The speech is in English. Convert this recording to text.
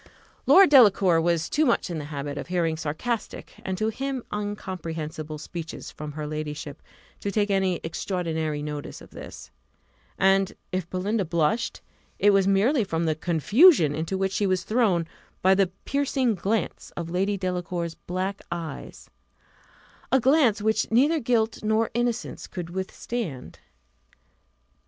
Lord Delacour was too much in the habit of hearing sarcastic, and to him incomprehensible speeches from her ladyship, to take any extraordinary notice of this; and if Belinda blushed, it was merely from the confusion into which she was thrown by the piercing glance of Lady Delacour's black eyes a glance which neither guilt nor innocence could withstand.